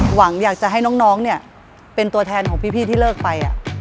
หวังอยากจะให้น้องเนี่ยเป็นตัวแทนของพี่ที่เลิกไป